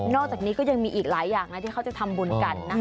อกจากนี้ก็ยังมีอีกหลายอย่างนะที่เขาจะทำบุญกันนะ